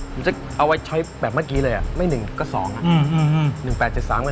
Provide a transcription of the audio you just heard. ผมจะเอาไว้ใช้แบบเมื่อกี้เลยไม่๑ก็๒อ่ะ